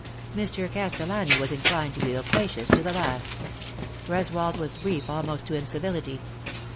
Mr. Castellani was inclined to be loquacious to the last. Greswold was brief almost to incivility.